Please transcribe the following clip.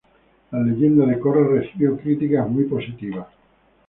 La leyenda de Korra recibió críticas muy positivas.